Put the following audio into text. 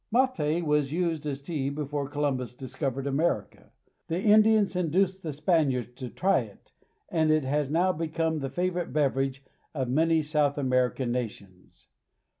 Mate was used as tea before Columbus discovered America. The Indians induced the Spaniards to try it, and it has now become the favorite beverage of many South American nations.